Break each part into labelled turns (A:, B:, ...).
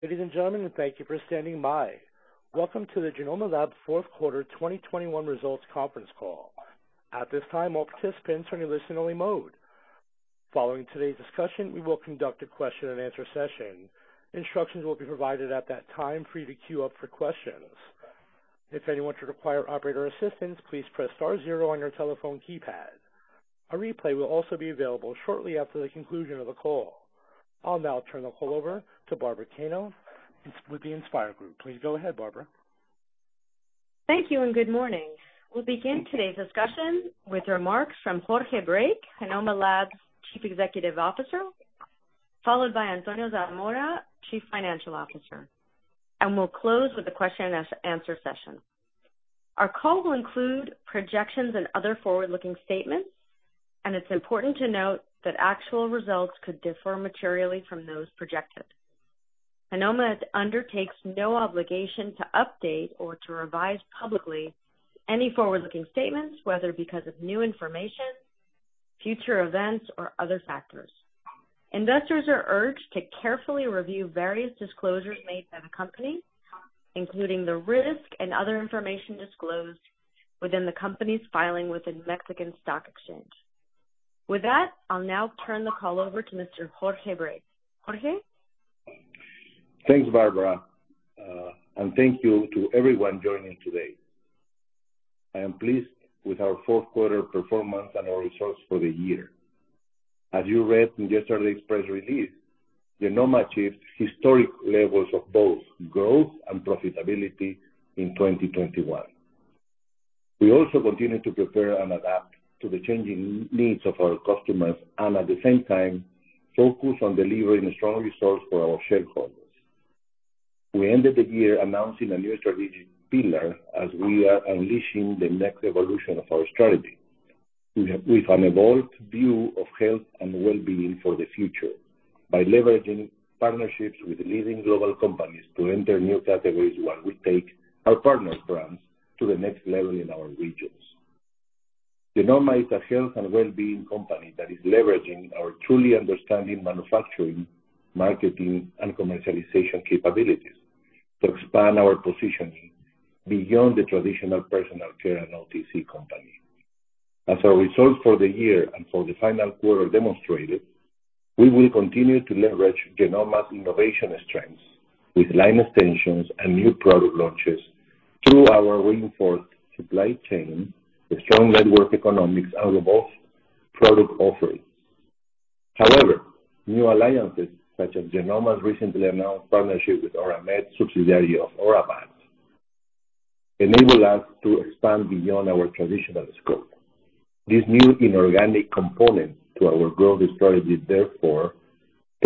A: Ladies and gentlemen, thank you for standing by. Welcome to the Genomma Lab's Q4 2021 results conference call. At this time, all participants are in listen-only mode. Following today's discussion, we will conduct a question and answer session. Instructions will be provided at that time for you to queue up for questions. If anyone should require operator assistance, please press star zero on your telephone keypad. A replay will also be available shortly after the conclusion of the call. I'll now turn the call over to Barbara Cano with the InspIR Group. Please go ahead, Barbara.
B: Thank you and good morning. We'll begin today's discussion with remarks from Jorge Brake, Genomma Lab's Chief Executive Officer, followed by Antonio Zamora, Chief Financial Officer, and we'll close with the question-and-answer session. Our call will include projections and other forward-looking statements, and it's important to note that actual results could differ materially from those projected. Genomma undertakes no obligation to update or to revise publicly any forward-looking statements, whether because of new information, future events or other factors. Investors are urged to carefully review various disclosures made by the company, including the risk and other information disclosed within the company's filing with the Mexican Stock Exchange. With that, I'll now turn the call over to Mr. Jorge Brake. Jorge?
C: Thanks, Barbara, and thank you to everyone joining today. I am pleased with our Q4 performance and our results for the year. As you read in yesterday's press release, Genomma Lab achieved historic levels of both growth and profitability in 2021. We also continued to prepare and adapt to the changing needs of our customers and at the same time focus on delivering a strong return for our shareholders. We ended the year announcing a new strategic pillar as we are unleashing the next evolution of our strategy with an evolved view of health and wellbeing for the future by leveraging partnerships with leading global companies to enter new categories while we take our partners' brands to the next level in our regions. Genomma is a health and wellbeing company that is leveraging our true understanding manufacturing, marketing and commercialization capabilities to expand our positioning beyond the traditional personal care and OTC company. As our results for the year and for the final quarter demonstrated, we will continue to leverage Genomma's innovation strengths with line extensions and new product launches through our reinforced supply chain, the strong network economics and robust product offerings. However, new alliances such as Genomma's recently announced partnership with Oramed, subsidiary of Oramed, enable us to expand beyond our traditional scope. This new inorganic component to our growth strategy therefore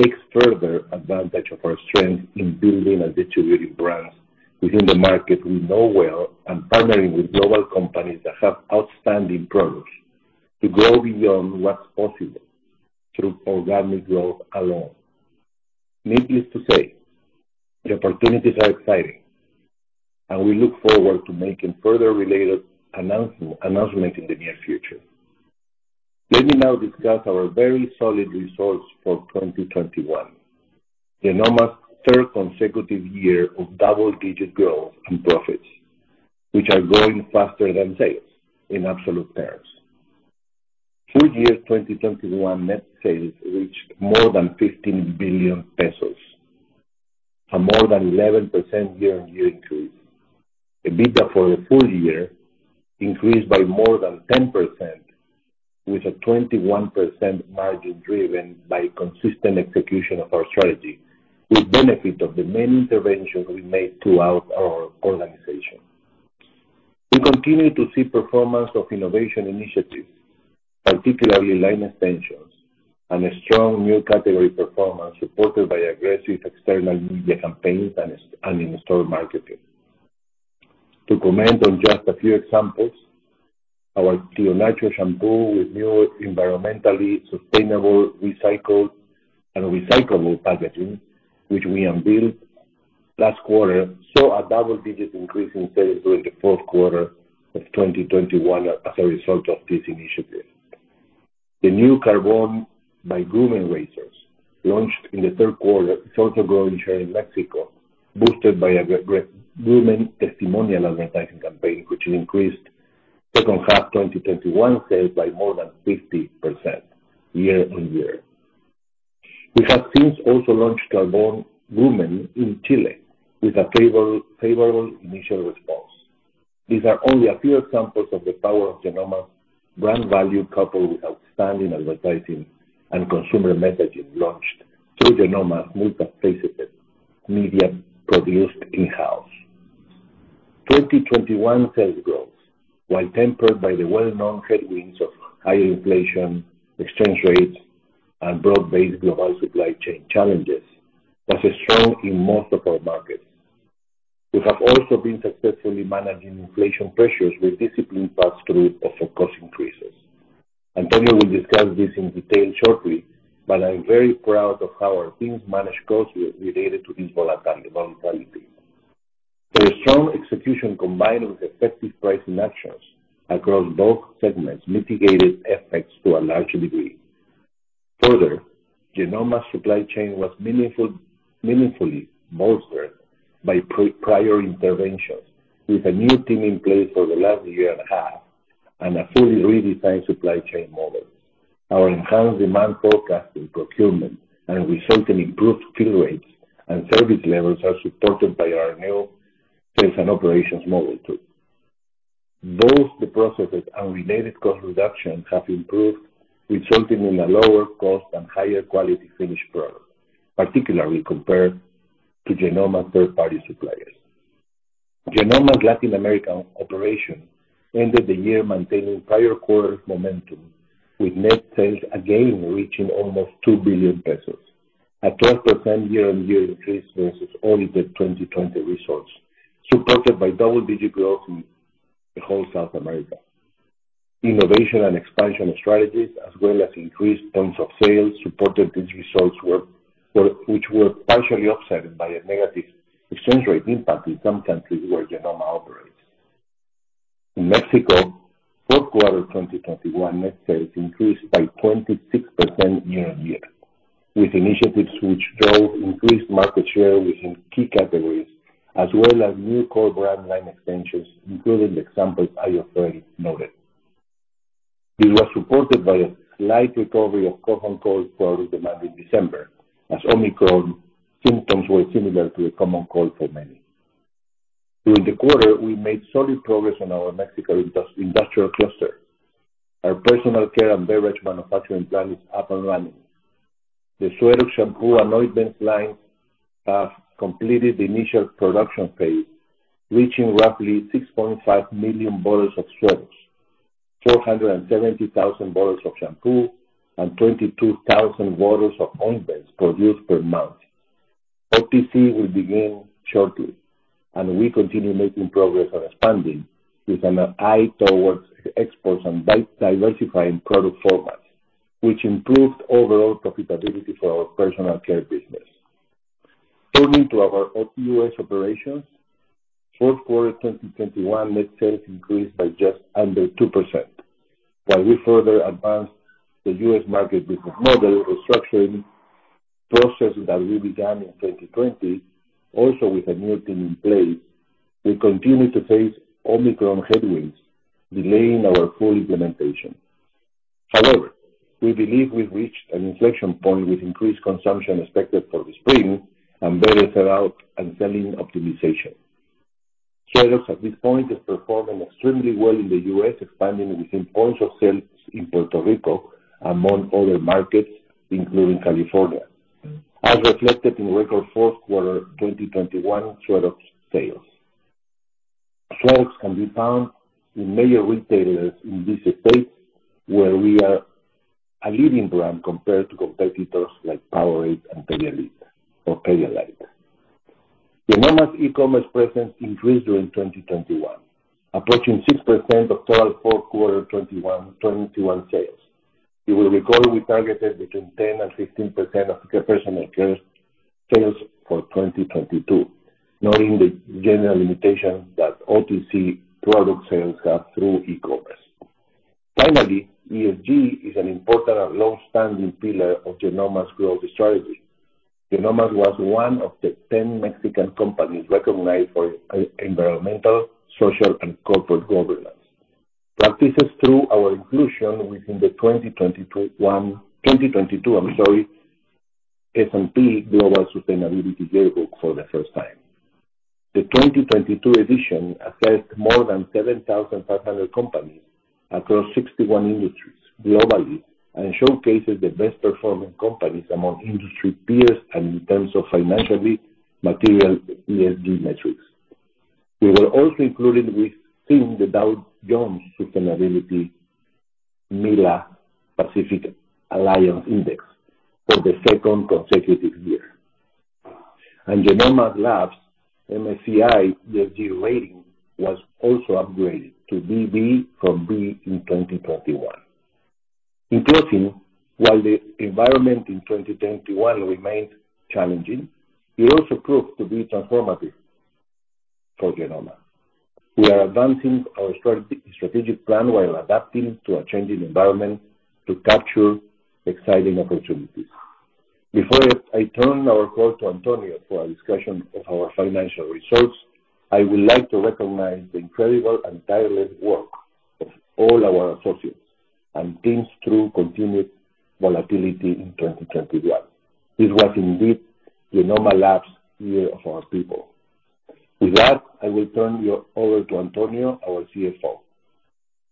C: takes further advantage of our strength in building and distributing brands within the market we know well and partnering with global companies that have outstanding products to grow beyond what's possible through organic growth alone. Needless to say, the opportunities are exciting and we look forward to making further related announcement in the near future. Let me now discuss our very solid results for 2021. Genomma's third consecutive year of double-digit growth and profits, which are growing faster than sales in absolute terms. Full year 2021 net sales reached more than 15 billion pesos, a more than 11% year-on-year increase. EBITDA for the full year increased by more than 10% with a 21% margin driven by consistent execution of our strategy with benefit of the many interventions we made throughout our organization. We continue to see performance of innovation initiatives, particularly line extensions and a strong new category performance supported by aggressive external media campaigns and in-store marketing. To comment on just a few examples, our Cicatricure Natura shampoo with new environmentally sustainable recycled and recyclable packaging, which we unveiled last quarter, saw a double-digit increase in sales during the Q4 of 2021 as a result of this initiative. The new Carbon by Groomen launched in the Q3 is also growing share in Mexico, boosted by a grooming testimonial advertising campaign which increased second half 2021 sales by more than 50% year-on-year. We have since also launched Carbon Groomen in Chile with a favorable initial response. These are only a few examples of the power of Genomma's brand value coupled with outstanding advertising and consumer messaging launched through Genomma's multifaceted media produced in-house. 2021 sales growth, while tempered by the well-known headwinds of higher inflation, exchange rates and broad-based global supply chain challenges, was strong in most of our markets. We have also been successfully managing inflation pressures with disciplined pass through of cost increases. Antonio will discuss this in detail shortly, but I'm very proud of how our teams manage costs related to this volatility. Their strong execution combined with effective pricing actions across both segments mitigated effects to a large degree. Further, Genomma's supply chain was meaningfully bolstered by prior interventions, with a new team in place for the last year and a half and a fully redesigned supply chain model. Our enhanced demand forecasting procurement and resulting improved fill rates and service levels are supported by our new sales and operations model tool. Both the processes and related cost reductions have improved, resulting in a lower cost and higher quality finished product, particularly compared to Genomma third-party suppliers. Genomma Latin American operation ended the year maintaining prior quarter momentum, with net sales again reaching almost 2 billion pesos, a 12% year-on-year increase versus only the 2020 results, supported by double-digit growth in the whole South America. Innovation and expansion strategies, as well as increased points of sale, supported these results, which were partially offset by a negative exchange rate impact in some countries where Genomma operates. In Mexico, Q4 2021 net sales increased by 26% year-on-year, with initiatives which drove increased market share within key categories, as well as new core brand line extensions, including the examples I have already noted. This was supported by a slight recovery of cough and cold product demand in December, as Omicron symptoms were similar to a common cold for many. During the quarter, we made solid progress on our Mexico industrial cluster. Our personal care and beverage manufacturing plant is up and running. The SueroX shampoo and ointment lines have completed the initial production phase, reaching roughly 6.5 million bottles of SueroX, 470,000 bottles of shampoo, and 22,000 bottles of ointments produced per month. OTC will begin shortly, and we continue making progress on expanding with an eye towards exports and diversifying product formats, which improved overall profitability for our personal care business. Turning to our U.S. operations, Q4 2021 net sales increased by just under 2%. While we further advanced the U.S. market business model restructuring process that we began in 2020, also with a new team in place, we continue to face Omicron headwinds, delaying our full implementation. However, we believe we've reached an inflection point with increased consumption expected for the spring and better sell-out and selling optimization. SueroX at this point is performing extremely well in the U.S., expanding within points of sale in Puerto Rico, among other markets, including California, as reflected in record Q4 2021 SueroX sales. SueroX can be found in major retailers in these states, where we are a leading brand compared to competitors like Powerade and Pedialyte. Genomma's e-commerce presence increased during 2021, approaching 6% of total Q4 2021 sales. You will recall we targeted between 10% and 15% of the personal care sales for 2022, noting the general limitations that OTC product sales have through e-commerce. Finally, ESG is an important and long-standing pillar of Genomma's growth strategy. Genomma was one of the 10 Mexican companies recognized for environmental, social, and governance practices through our inclusion within the 2022 S&P Global Sustainability Yearbook for the first time. The 2022 edition assessed more than 7,500 companies across 61 industries globally and showcases the best performing companies among industry peers and in terms of financially material ESG metrics. We were also included within the Dow Jones Sustainability MILA Pacific Alliance Index for the second consecutive year. Genomma Lab's MSCI ESG rating was also upgraded to BB from B in 2021. In closing, while the environment in 2021 remained challenging, it also proved to be transformative for Genomma. We are advancing our strategic plan while adapting to a changing environment to capture exciting opportunities. Before I turn our call to Antonio for a discussion of our financial results, I would like to recognize the incredible and tireless work of all our associates and teams through continued volatility in 2021. This was indeed Genomma Lab's year of our people. With that, I will turn you over to Antonio, our CFO.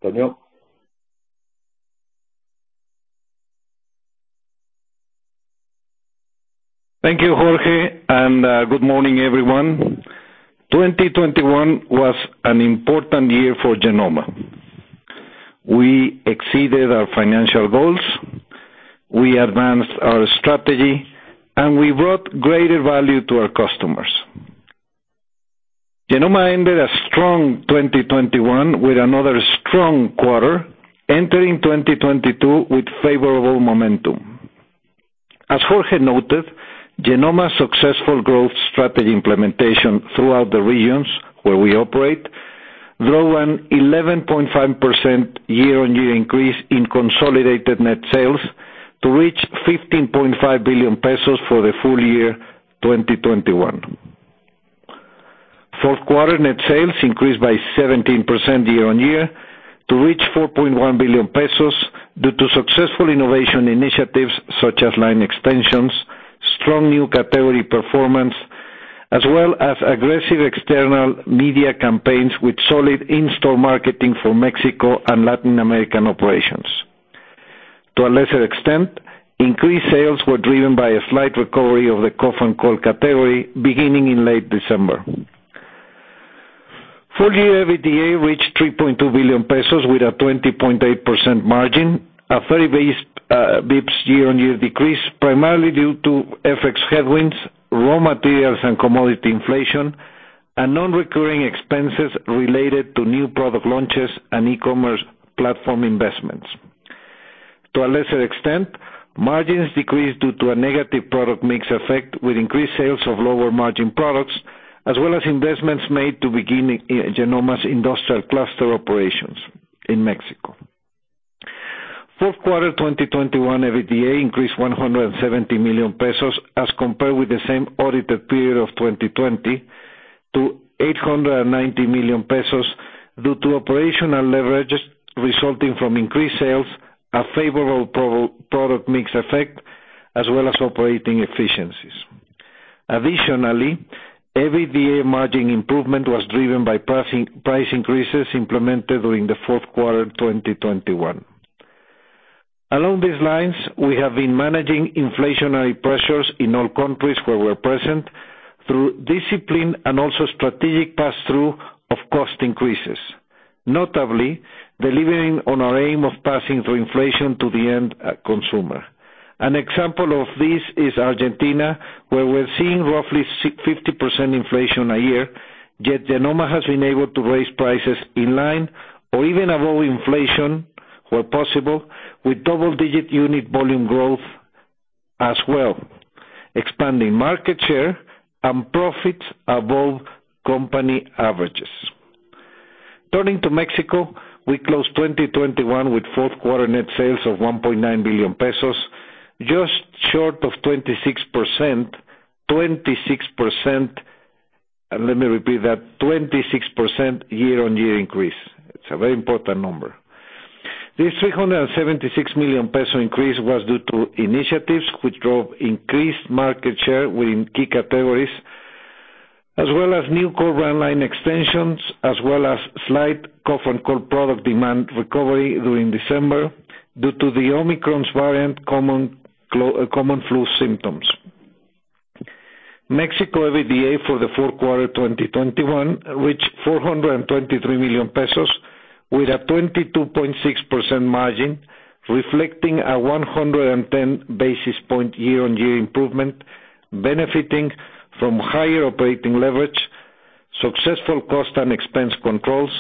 C: Antonio?
D: Thank you, Jorge, and good morning, everyone. 2021 was an important year for Genomma. We exceeded our financial goals, we advanced our strategy, and we brought greater value to our customers. Genomma ended a strong 2021 with another strong quarter, entering 2022 with favorable momentum. As Jorge noted, Genomma's successful growth strategy implementation throughout the regions where we operate drove an 11.5% year-on-year increase in consolidated net sales to reach 15.5 billion pesos for the full year 2021. Q4 net sales increased by 17% year-on-year to reach 4.1 billion pesos due to successful innovation initiatives such as line extensions, strong new category performance, as well as aggressive external media campaigns with solid in-store marketing for Mexico and Latin American operations. To a lesser extent, increased sales were driven by a slight recovery of the cough and cold category beginning in late December. Full year EBITDA reached 3.2 billion pesos with a 20.8% margin, a 30 basis points year-on-year decrease, primarily due to FX headwinds, raw materials and commodity inflation, and non-recurring expenses related to new product launches and e-commerce platform investments. To a lesser extent, margins decreased due to a negative product mix effect with increased sales of lower margin products, as well as investments made to begin Genomma's industrial cluster operations in Mexico. Q4 2021 EBITDA increased 170 million pesos as compared with the same audited period of 2020 to 890 million pesos due to operational leverages resulting from increased sales, a favorable product mix effect, as well as operating efficiencies. Additionally, EBITDA margin improvement was driven by price increases implemented during the Q4 2021. Along these lines, we have been managing inflationary pressures in all countries where we're present through discipline and also strategic pass-through of cost increases, notably delivering on our aim of passing through inflation to the end consumer. An example of this is Argentina, where we're seeing roughly 50% inflation a year, yet Genomma has been able to raise prices in line or even above inflation where possible with double-digit unit volume growth as well, expanding market share and profits above company averages. Turning to Mexico, we closed 2021 with Q4 net sales of 1.9 billion pesos, just short of 26%, and let me repeat that, 26% year-on-year increase. It's a very important number. This 376 million peso increase was due to initiatives which drove increased market share within key categories, as well as new core brand line extensions, as well as slight cough and cold product demand recovery during December due to the Omicron variant common flu symptoms. Mexico EBITDA for the Q4 2021 reached 423 million pesos with a 22.6% margin, reflecting a 110 basis point year-on-year improvement, benefiting from higher operating leverage, successful cost and expense controls,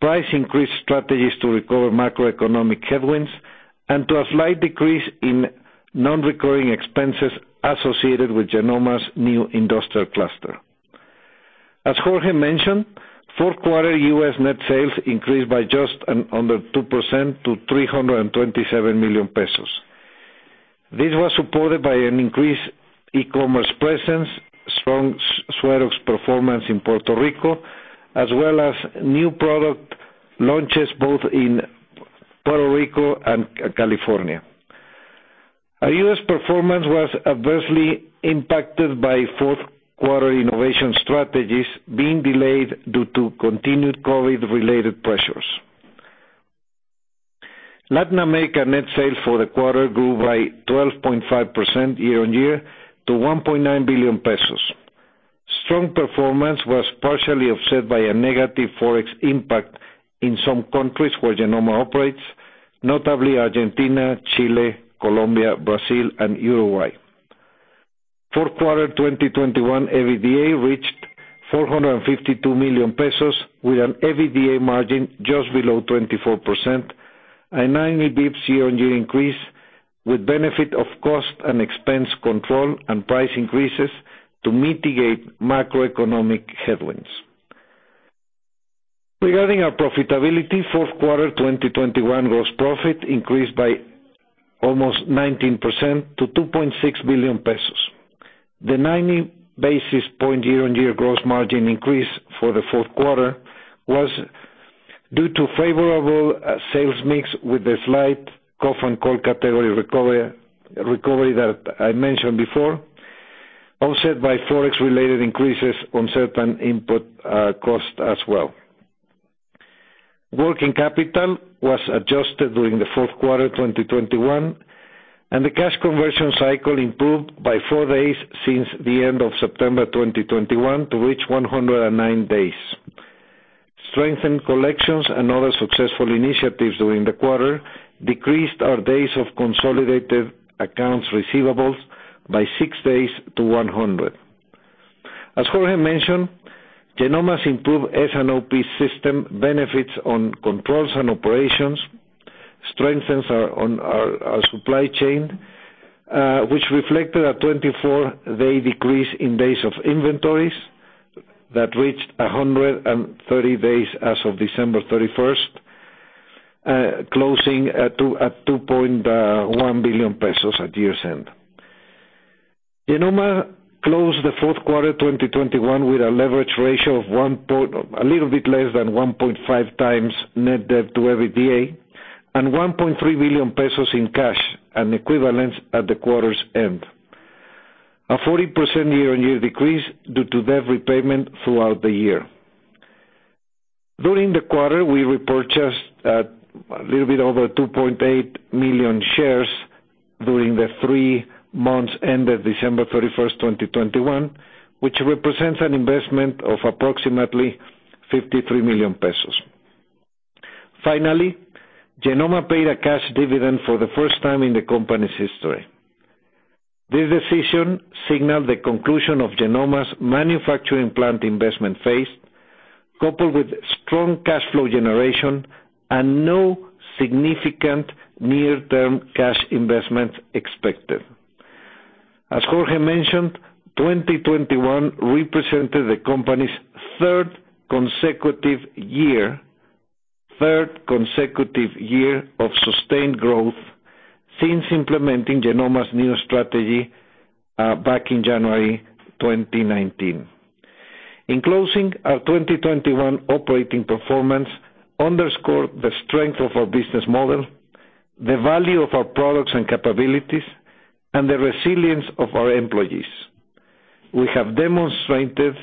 D: price increase strategies to recover macroeconomic headwinds, and to a slight decrease in non-recurring expenses associated with Genomma's new industrial cluster. As Jorge mentioned, Q4 U.S. net sales increased by just under 2% to 327 million pesos. This was supported by an increased e-commerce presence, strong SueroX performance in Puerto Rico, as well as new product launches both in Puerto Rico and California. Our U.S. performance was adversely impacted by Q4 innovation strategies being delayed due to continued COVID-related pressures. Latin America net sales for the quarter grew by 12.5% year-on-year to 1.9 billion pesos. Strong performance was partially offset by a negative Forex impact in some countries where Genomma operates, notably Argentina, Chile, Colombia, Brazil, and Uruguay. Q4 2021 EBITDA reached 452 million pesos, with an EBITDA margin just below 24%, a 90 basis points year-on-year increase with benefit of cost and expense control and price increases to mitigate macroeconomic headwinds. Regarding our profitability, Q4 2021 gross profit increased by almost 19% to 2.6 billion pesos. The 90 basis points year-on-year gross margin increase for the Q4 was due to favorable sales mix with a slight cough and cold category recovery that I mentioned before, offset by Forex-related increases on certain input costs as well. Working capital was adjusted during the Q4 2021, and the cash conversion cycle improved by 4 days since the end of September 2021 to reach 109 days. Strengthened collections and other successful initiatives during the quarter decreased our days of consolidated accounts receivables by six days to 100. As Jorge mentioned, Genomma's improved S&OP system benefits in controls and operations strengthen our supply chain, which reflected a 24-day decrease in days of inventories that reached 130 days as of December 31st, closing at 2.1 billion pesos at year's end. Genomma closed the Q4 2021 with a leverage ratio a little bit less than 1.5 times net debt to EBITDA and 1.3 billion pesos in cash and equivalents at the quarter's end. A 40% year-on-year decrease due to debt repayment throughout the year. During the quarter, we repurchased a little bit over 2.8 million shares during the three months ended December 31st, 2021, which represents an investment of approximately 53 million pesos. Finally, Genomma paid a cash dividend for the first time in the company's history. This decision signaled the conclusion of Genomma's manufacturing plant investment phase, coupled with strong cash flow generation and no significant near-term cash investments expected. As Jorge mentioned, 2021 represented the company's third consecutive year of sustained growth since implementing Genomma's new strategy back in January 2019. In closing, our 2021 operating performance underscored the strength of our business model, the value of our products and capabilities, and the resilience of our employees. We have demonstrated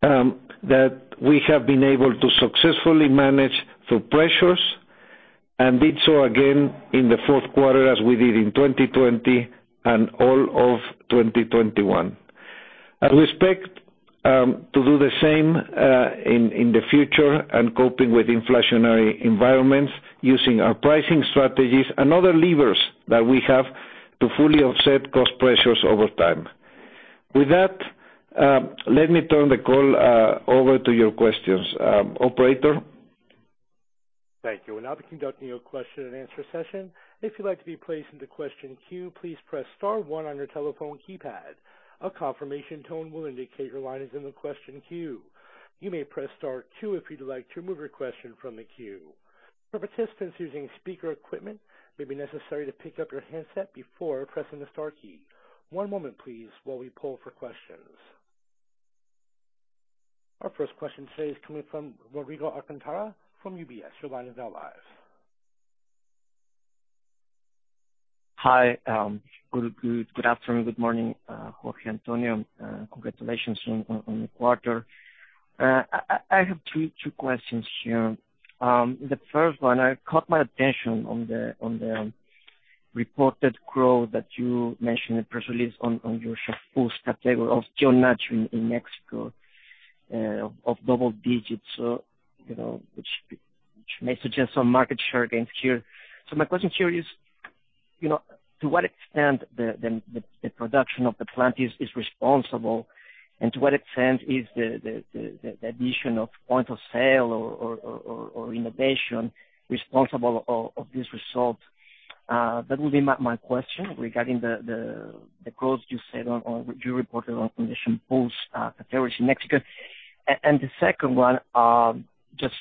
D: that we have been able to successfully manage through pressures and did so again in the Q4 as we did in 2020 and all of 2021. We expect to do the same in the future and coping with inflationary environments using our pricing strategies and other levers that we have to fully offset cost pressures over time. With that, let me turn the call over to your questions. Operator?
A: Our first question today is coming from Rodrigo Alcántara from UBS. Your line is now live.
E: Hi. Good afternoon, good morning, Jorge, Antonio. Congratulations on the quarter. I have two questions here. The first one, it caught my attention on the reported growth that you mentioned in the press release on your shampoo category of Tío Nacho in Mexico, of double digits, you know, which may suggest some market share gains here. My question here is, you know, to what extent the production of the plant is responsible, and to what extent is the addition of point of sale or innovation responsible of this result. That would be my question regarding the growth you reported on conditioner category in Mexico. The second one, I just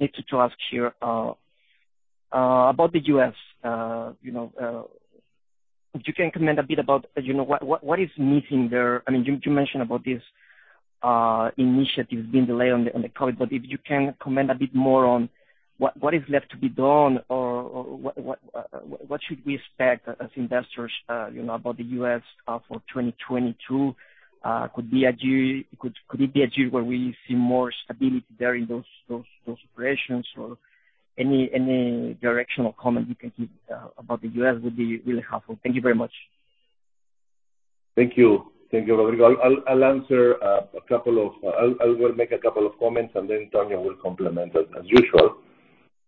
E: needed to ask here about the U.S., you know, if you can comment a bit about, you know, what is missing there? I mean, you mentioned about this initiative being delayed due to COVID, but if you can comment a bit more on what is left to be done or what should we expect as investors, you know, about the U.S. for 2022? Could it be a year where we see more stability there in those operations? Or any directional comment you can give about the U.S. would be really helpful. Thank you very much.
C: Thank you. Thank you, Rodrigo. I will make a couple of comments, and then Antonio will complement as usual.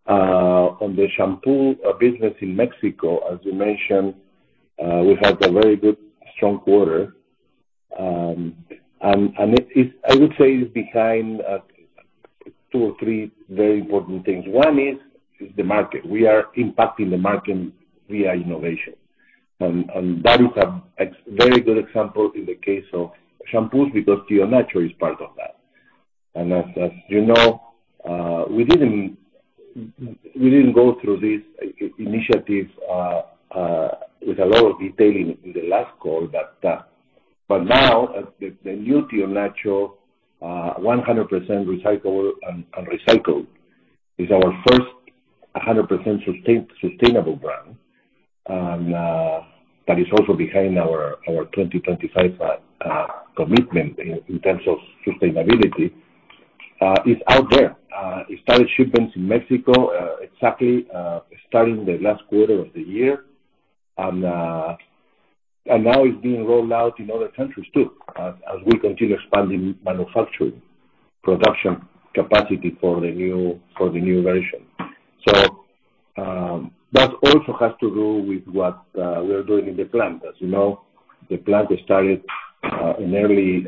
C: On the shampoo business in Mexico, as you mentioned, we had a very good, strong quarter. I would say it's behind two or three very important things. One is the market. We are impacting the market via innovation. That is a very good example in the case of shampoos because Tío Nacho is part of that. As you know, we didn't go through this initiative with a lot of detail in the last call, but now the new Tío Nacho 100% recyclable and recycled is our first 100% sustainable brand. That is also behind our 2025 commitment in terms of sustainability. It's out there. It started shipments in Mexico exactly starting the last quarter of the year. And now it's being rolled out in other countries too as we continue expanding manufacturing production capacity for the new version. That also has to do with what we are doing in the plant. As you know, the plant started in early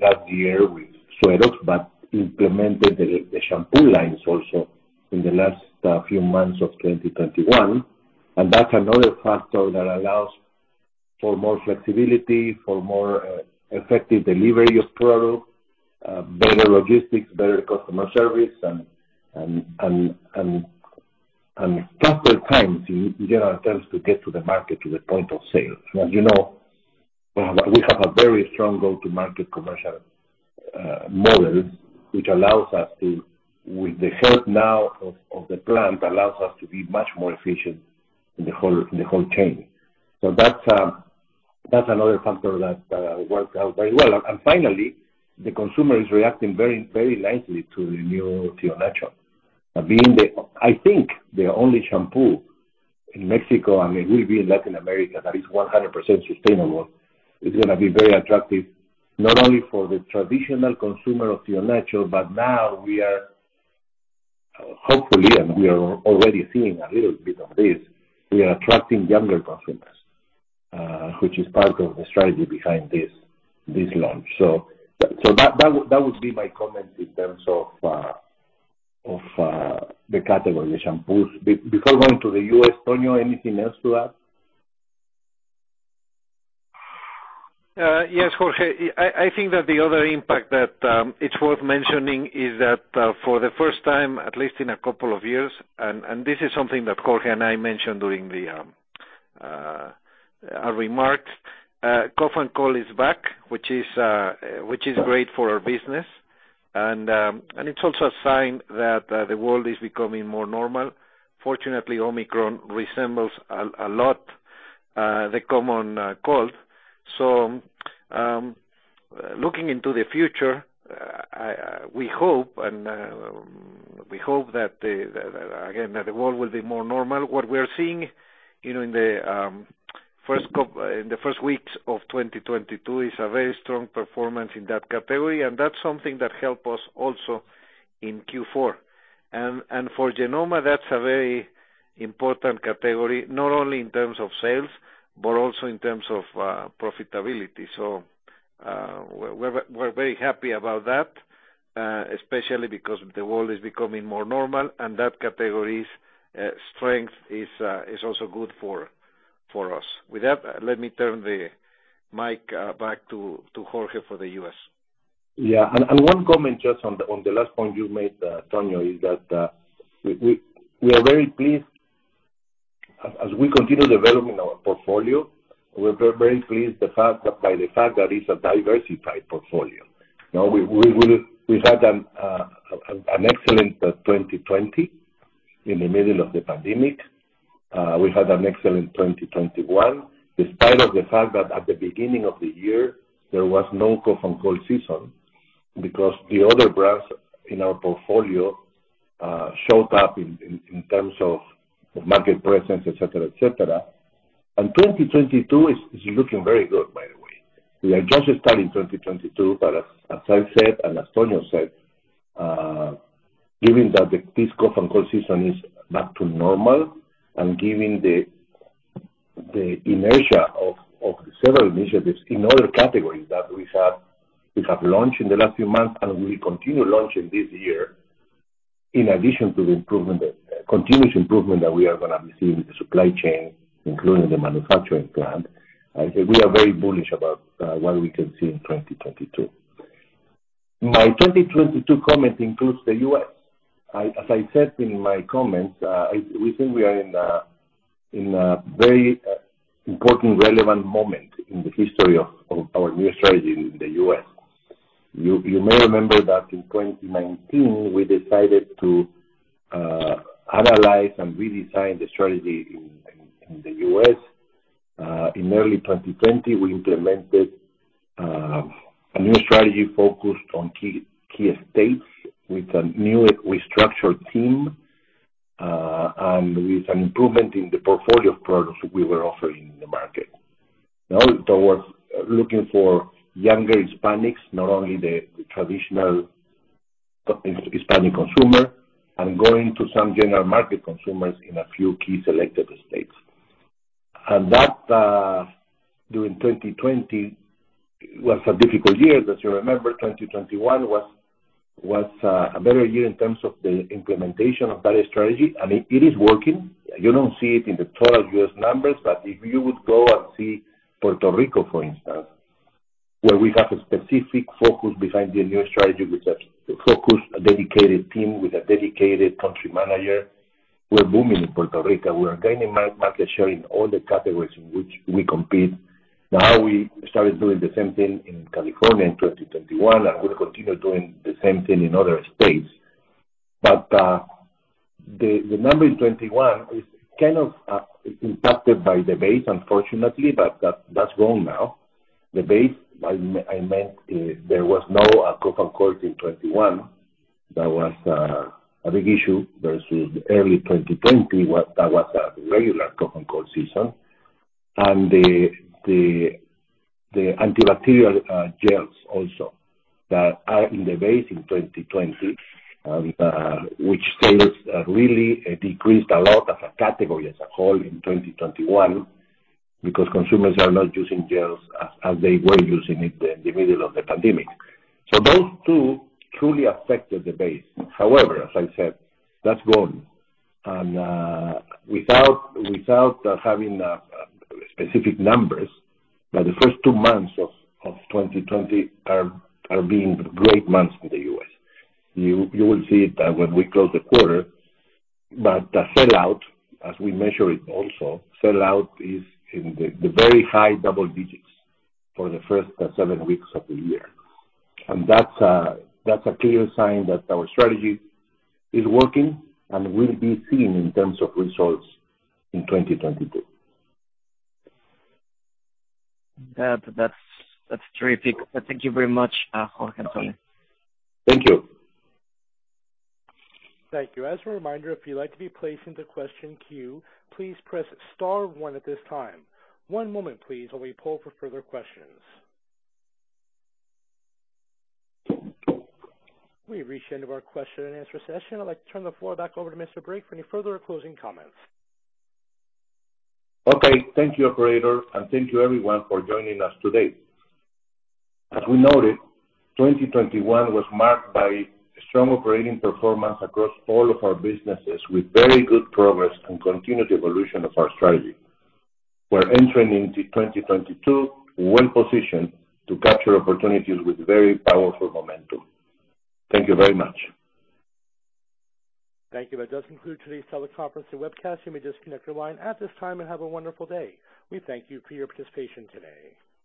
C: last year with SueroX, but implemented the shampoo lines also in the last few months of 2021. That's another factor that allows for more flexibility, for more effective delivery of product, better logistics, better customer service and faster times in general terms to get to the market to the point of sale. You know, we have a very strong go-to-market commercial model, which allows us to, with the help now of the plant, allows us to be much more efficient in the whole chain. That's another factor that worked out very well. Finally, the consumer is reacting very, very nicely to the new Tío Nacho. Being the, I think, the only shampoo in Mexico, and it will be in Latin America, that is 100% sustainable, it's gonna be very attractive, not only for the traditional consumer of Tío Nacho, but now we are, hopefully, and we are already seeing a little bit of this, we are attracting younger consumers, which is part of the strategy behind this launch. So that would be my comment in terms of the category of shampoos. Before going to the U.S., Tonio, anything else to add?
D: Yes, Jorge. I think that the other impact that it's worth mentioning is that, for the first time, at least in a couple of years, and this is something that Jorge and I mentioned during our remarks, cough and cold is back, which is great for our business. It's also a sign that the world is becoming more normal. Fortunately, Omicron resembles a lot the common cold. So, looking into the future, we hope that, again, the world will be more normal. What we are seeing, you know, in the first weeks of 2022 is a very strong performance in that category, and that's something that helps us also in Q4. For Genomma, that's a very important category, not only in terms of sales, but also in terms of profitability. We're very happy about that, especially because the world is becoming more normal and that category's strength is also good for us. With that, let me turn the mic back to Jorge for the U.S.
C: One comment just on the last point you made, Tonio, is that we are very pleased as we continue developing our portfolio. We're very pleased by the fact that it's a diversified portfolio. We had an excellent 2020 in the middle of the pandemic. We had an excellent 2021, despite the fact that at the beginning of the year, there was no cough and cold season, because the other brands in our portfolio showed up in terms of market presence, et cetera. 2022 is looking very good, by the way. We have just started 2022, but as I said, and as Antonio said, given that this cough and cold season is back to normal and given the inertia of several initiatives in other categories that we have launched in the last few months and we continue launching this year, in addition to the continuous improvement that we are gonna be seeing with the supply chain, including the manufacturing plant, I say we are very bullish about what we can see in 2022. My 2022 comment includes the U.S. As I said in my comments, we think we are in a very important relevant moment in the history of our new strategy in the U.S. You may remember that in 2019, we decided to analyze and redesign the strategy in the U.S. In early 2020, we implemented a new strategy focused on key states with a new restructured team and with an improvement in the portfolio of products we were offering in the market. Now, that was looking for younger Hispanics, not only the traditional Hispanic consumer, and going to some general market consumers in a few key selected states. That during 2020 was a difficult year, as you remember, 2021 was a better year in terms of the implementation of that strategy. It is working. You don't see it in the total U.S. numbers, but if you would go and see Puerto Rico, for instance, where we have a specific focus behind the new strategy, with a focused, dedicated team, with a dedicated country manager, we're booming in Puerto Rico. We are gaining market share in all the categories in which we compete. Now we started doing the same thing in California in 2021, and we'll continue doing the same thing in other states. The number in 2021 is kind of impacted by the base, unfortunately, but that's gone now. The base, I meant, there was no cough and cold in 2021. That was a big issue versus early 2020. That was a regular cough and cold season. The antibacterial gels also that are in the base in 2020, which sales really decreased a lot as a category as a whole in 2021 because consumers are not using gels as they were using them in the middle of the pandemic. Those two truly affected the base. However, as I said, that's gone. Without having specific numbers, but the first two months of 2022 are being great months in the U.S. You will see it when we close the quarter, but the sellout as we measure it also is in the very high double digits for the first seven weeks of the year. That's a clear sign that our strategy is working and will be seen in terms of results in 2022.
E: That's terrific. Thank you very much, Jorge and Antonio.
C: Thank you.
A: Thank you. As a reminder, if you'd like to be placed into question queue, please press star one at this time. One moment please while we poll for further questions. We've reached the end of our question and answer session. I'd like to turn the floor back over to Mr. Brake for any further closing comments.
C: Okay. Thank you, operator, and thank you everyone for joining us today. As we noted, 2021 was marked by strong operating performance across all of our businesses with very good progress and continued evolution of our strategy. We're entering into 2022 well positioned to capture opportunities with very powerful momentum. Thank you very much.
A: Thank you. That does conclude today's teleconference and webcast. You may disconnect your line at this time and have a wonderful day. We thank you for your participation today.